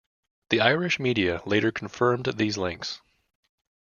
The Irish media later confirmed these links.